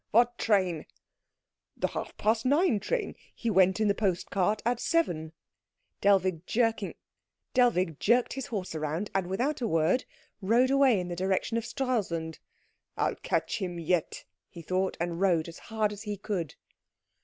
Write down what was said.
What train?" "The half past nine train. He went in the post cart at seven." Dellwig jerked his horse round, and without a word rode away in the direction of Stralsund. "I'll catch him yet," he thought, and rode as hard as he could.